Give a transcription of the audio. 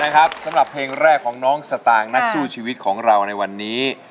นะครับสำหรับเพลงแรกของน้องสตางค์นักสู้ชีวิตของเราในวันนี้